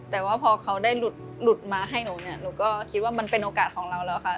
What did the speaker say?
แต่ว่าพอเขาได้หลุดมาให้หนูเนี่ยหนูก็คิดว่ามันเป็นโอกาสของเราแล้วค่ะ